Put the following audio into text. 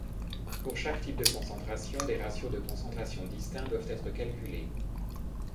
Pour chaque type de concentration, des ratios de concentration distincts doivent être calculés.